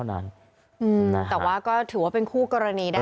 จังหวะเดี๋ยวจะให้ดูนะ